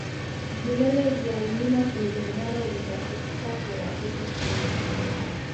Vilele vya mlima kilimanjaro vinafikika kirahisi sana